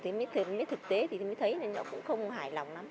thì mới thực tế thì mới thấy nó cũng không hài lòng lắm